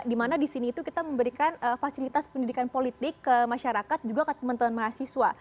dimana di sini itu kita memberikan fasilitas pendidikan politik ke masyarakat juga ke teman teman mahasiswa